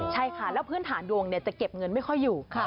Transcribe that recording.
ใช่ค่ะแล้วพื้นฐานดวงจะเก็บเงินไม่ค่อยอยู่